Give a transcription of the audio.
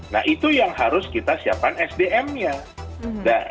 nah itu yang harus kita siapkan sdm nya